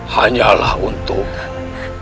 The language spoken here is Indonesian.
hanyalah untuk raka